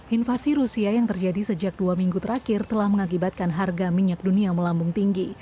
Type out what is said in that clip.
invasi rusia yang terjadi sejak dua minggu terakhir telah mengakibatkan harga minyak dunia melambung tinggi